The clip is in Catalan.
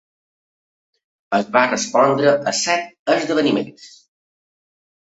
Es va respondre a set esdeveniments.